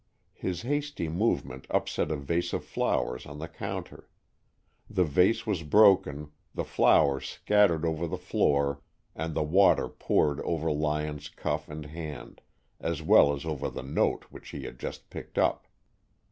His hasty movement upset a vase of flowers on the counter. The vase was broken, the flowers scattered over the floor, and the water poured over Lyon's cuff and hand, as well as over the note which he had just picked up.